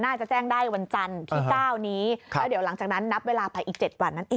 น่าจะแจ้งได้วันจันทร์ที่๙นี้แล้วเดี๋ยวหลังจากนั้นนับเวลาไปอีก๗วันนั้นเอง